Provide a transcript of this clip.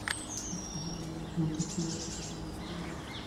আত্মাহীন দানবদের মধ্যে কী আছে তা বলার অপেক্ষা রাখে না।